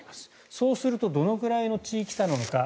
そうするとどのくらいの地域差なのか。